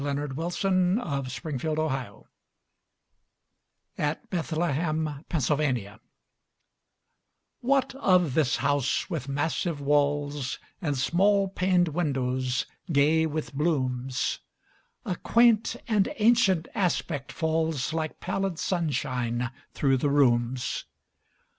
Sarah Orne Jewett The Widow's House (At Bethlehem, Pennsylvania) WHAT of this house with massive walls And small paned windows, gay with blooms? A quaint and ancient aspect falls Like pallid sunshine through the rooms.